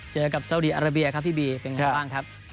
เจอกับสาวดีอาราเบียครับพี่บีเป็นไงบ้างครับ